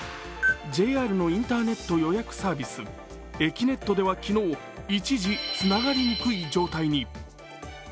ＪＲのインターネット予約サービス、えきねっとでは昨日、一時つながりにくい状態に。